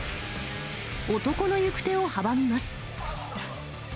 男の行く手を阻みます。